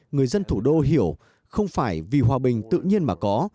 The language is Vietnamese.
người dân thủ đô hiểu không phải vì hòa bình tự nhiên mà có